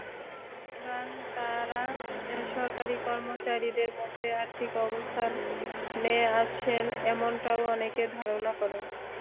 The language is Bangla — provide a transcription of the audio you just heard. সুতরাং তাঁরা সরকারি কর্মচারীদের মতোই আর্থিক অবস্থানে আছেন—এমনটাও অনেকে ধারণা করেন।